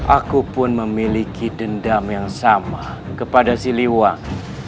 aku pun memiliki dendam yang sama kepada si liwang